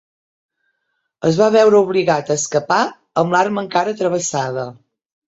Es va veure obligat a escapar amb l'arma encara travessada.